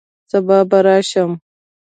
سبا به راشم